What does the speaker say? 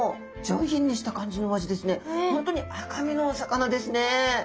本当に赤身のお魚ですね。